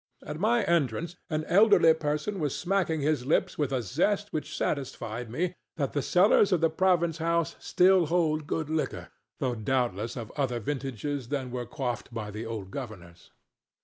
At my entrance an elderly person was smacking his lips with a zest which satisfied me that the cellars of the Province House still hold good liquor, though doubtless of other vintages than were quaffed by the old governors.